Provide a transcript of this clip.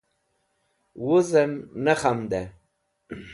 Wuzẽm nẽ khamdẽ.